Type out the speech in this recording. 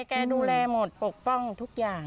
แกดูแลหมดปกป้องทุกอย่าง